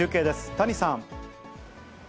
谷さん。